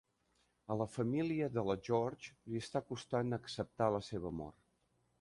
A la família de la George li està costant acceptar la seva mort.